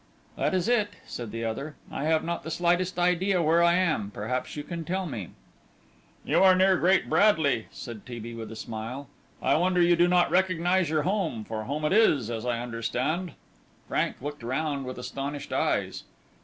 "That is it," said the other. "I have not the slightest idea where I am; perhaps you can tell me?" "You are near Great Bradley," said T. B., with a smile. "I wonder you do not recognize your home; for home it is, as I understand." Frank looked round with astonished eyes.